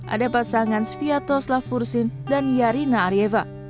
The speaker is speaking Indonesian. ada pasangan sviatoslav fursin dan yary shibolov